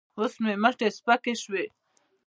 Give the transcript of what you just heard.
اوس مې مټې سپکې شوې.